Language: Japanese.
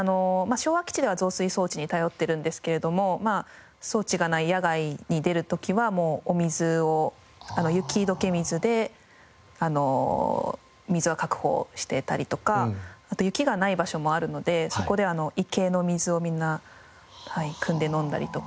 昭和基地では造水装置に頼ってるんですけれども装置がない野外に出る時はもうお水を雪解け水で水は確保してたりとかあと雪がない場所もあるのでそこでは池の水をみんなくんで飲んだりとかしてましたね。